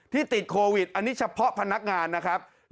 ติดโควิดอันนี้เฉพาะพนักงานนะครับ